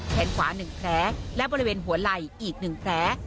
ขวา๑แผลและบริเวณหัวไหล่อีก๑แผล